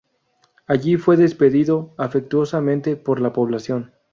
Allí fue despedido afectuosamente por la población.